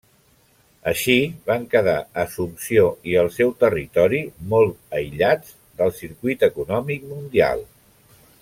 Així van quedar Assumpció i el seu territori molt aïllats del circuit econòmic mundial.